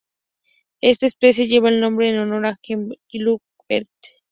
Esta especie lleva el nombre en honor a Jean-Luc Perret.